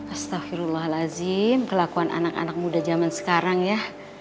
astaghfirullahaladzim kelakuan anak anak muda zaman sekarang ya